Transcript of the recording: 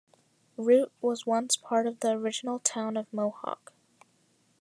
Root was once part of the original Town of Mohawk.